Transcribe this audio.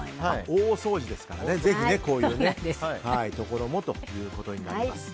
大掃除ですから、ぜひこういうところもということになります。